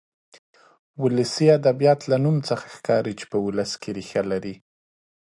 ولسي ادبيات له نوم څخه ښکاري چې په ولس کې ريښه لري.